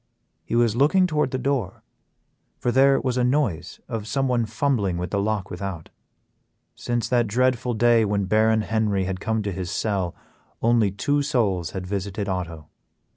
He was looking toward the door, for there was a noise of someone fumbling with the lock without. Since that dreadful day when Baron Henry had come to his cell, only two souls had visited Otto.